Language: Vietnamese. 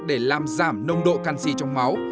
để làm giảm nông độ canxi trong máu